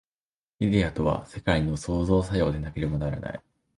イデヤとは世界の創造作用でなければならない。